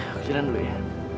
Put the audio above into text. aku jalan dulu ya